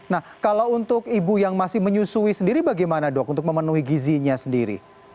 nah kalau untuk ibu yang masih menyusui sendiri bagaimana dok untuk memenuhi gizinya sendiri